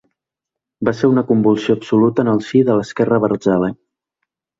Va ser una convulsió absoluta en el si de l’esquerra abertzale.